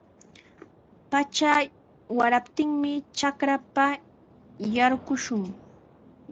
Pacha waraptinmi trakrapa yarqushun.